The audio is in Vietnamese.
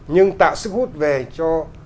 nhưng tạo sức hút về cho